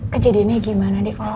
kejadiannya gimana deh